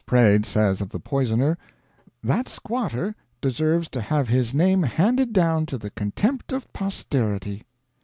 Praed says of the poisoner, "That squatter deserves to have his name handed down to the contempt of posterity."